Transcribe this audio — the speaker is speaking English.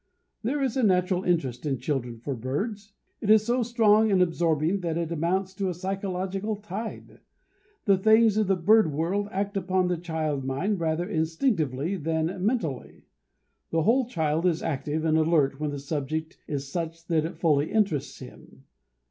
There is a natural interest in children for birds. It is so strong and absorbing that it amounts to a psychological tide. The things of the bird world act upon the child mind rather instinctively than mentally. The whole child is active and alert when the subject is such that it fully interests him.